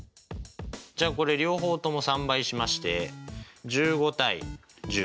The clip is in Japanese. じゃあこれ両方とも３倍しまして１５：１０。